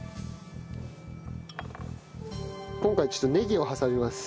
今回ちょっとネギを挟みます。